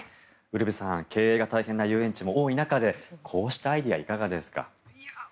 ウルヴェさん経営が大変な遊園地も多い中でこうしたアイデアいかがですか？